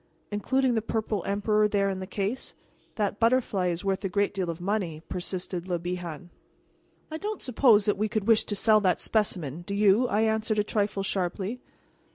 "Including the purple emperor there in the case? That butterfly is worth a great deal of money," persisted Le Bihan. "You don't suppose that we would wish to sell that specimen, do you?" I answered a trifle sharply.